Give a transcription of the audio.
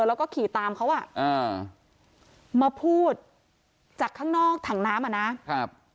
แล้วก็ขี่ตามเขาอ่ะอ่ามาพูดจากข้างนอกถังน้ำอ่ะนะครับ